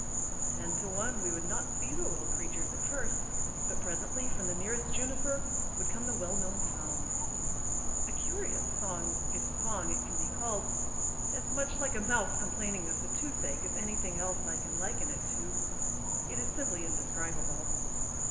Ten to one we would not see the little creatures at first. But presently, from the nearest juniper, would come the well known sounds. A curious song, if song it can be called—as much like a mouse complaining of the toothache as anything else I can liken it to—it is simply indescribable.